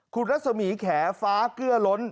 คุณรัศมีแขฟ้าเกลือล้น